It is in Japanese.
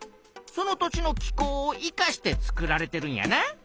その土地の気候を生かして作られてるんやな。